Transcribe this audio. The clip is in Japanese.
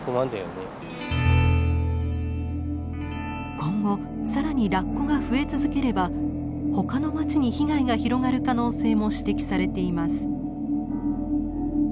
今後更にラッコが増え続ければ他の町に被害が広がる可能性も指摘されています。